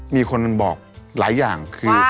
มีคนบอกหลายอย่างคือ